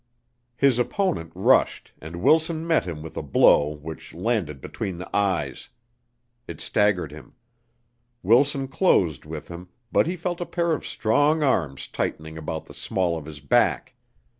His opponent rushed and Wilson met him with a blow which landed between the eyes. It staggered him. Wilson closed with him, but he felt a pair of strong arms tightening about the small of his back.